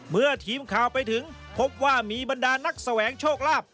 เมื่อทีมข่าวไปถึงพบว่ามีบรรดานักแสวงโชคลาภ